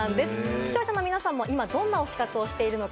視聴者の皆さんも今どんな推し活をしているのか？